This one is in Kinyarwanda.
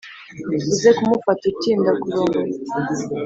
uze kumufata, uti: “ndakurongoye.